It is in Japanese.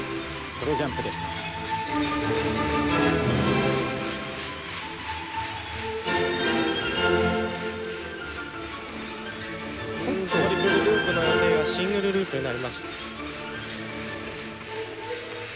トリプルループの予定がシングルループになりました。